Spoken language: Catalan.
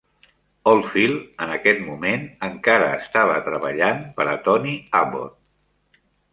Oldfield, en aquest moment, encara estava treballant per a Tony Abbott.